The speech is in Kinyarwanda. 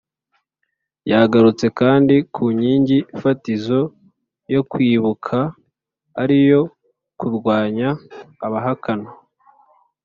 Yagarutse kandi ku nkingi fatizo yo kwibuka ariyo kurwanya abahakana